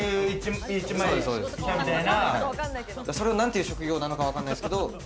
それをなんていう職業なのかはわからないですけど。